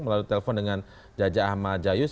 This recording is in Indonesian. melalui telepon dengan jaja ahmad jayus